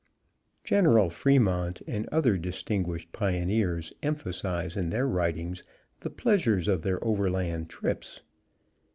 General Fremont and other distinguished pioneers emphasize in their writings the pleasures of their overland trips.